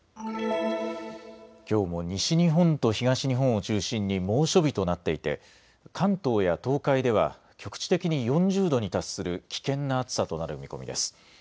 きょうも西日本と東日本を中心に猛暑日となっていて関東や東海では局地的に４０度に達する危険な暑さとなる見込みです。